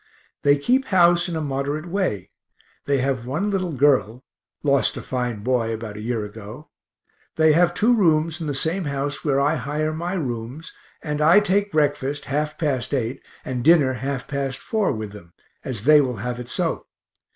They keep house in a moderate way; they have one little girl (lost a fine boy about a year ago); they have two rooms in the same house where I hire my rooms, and I take breakfast (half past 8) and dinner (half past 4) with them, as they will have it so.